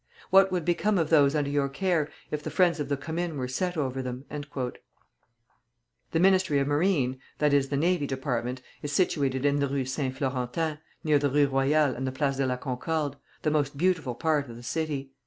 What would become of those under your care if the friends of the Commune were set over them?" The Ministry of Marine (that is, the Navy Department) is situated in the Rue Saint Florentin, near the Rue Royale and the Place de la Concorde, the most beautiful part of the city.